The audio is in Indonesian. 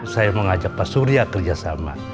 saya mau ajak pak surya kerjasama